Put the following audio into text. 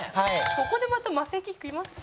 ここでまたマセキきます？